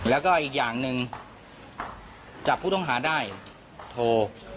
แล้วก็อีกอย่างหนึ่งจับผู้ต้องหาได้โทร